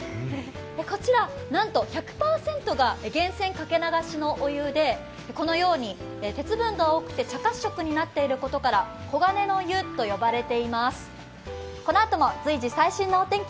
こちら、なんと１００％が源泉かけ流しのお湯でこのように鉄分が多くて茶褐色になっていることから黄金の湯と呼ばれています。